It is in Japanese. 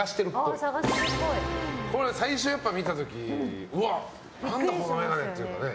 これ最初やっぱ見たときうわっ何だこの眼鏡っていうのはね。